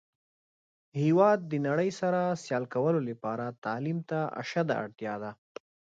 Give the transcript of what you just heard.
هیواد د نړۍ سره سیال کولو لپاره تعلیم ته اشده اړتیا ده.